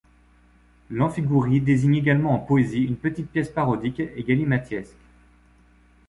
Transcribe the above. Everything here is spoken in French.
L'amphigouri désigne également en poésie une petite pièce parodique et galimatiesque.